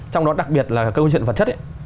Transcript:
trong đó đặc biệt là câu chuyện vật chất